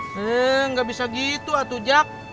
eh gak bisa gitu atujak